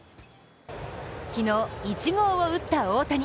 昨日、１号を打った大谷。